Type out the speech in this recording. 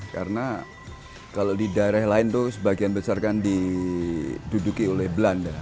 karena kalau di daerah lain itu sebagian besar kan diduduki oleh belanda